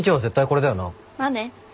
まあね。